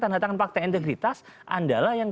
tanda tangan fakta integritas anda lah yang